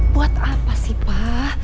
buat apa sih pa